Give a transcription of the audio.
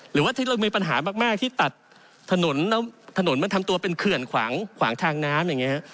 หรือว่าถ้าเรามีปัญหามากที่ตัดถนนแล้วถนนมันทำตัวเป็นเขื่อนขวางทางน้ำ